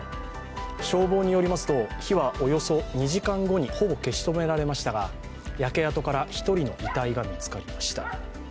消防によりますと、火はおよそ２時間後にほぼ消し止められましたが焼け跡から１人の遺体が見つかりました。